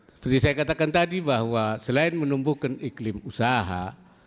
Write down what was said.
seperti saya katakan tadi bahwa selain menumbuhkan iklim usaha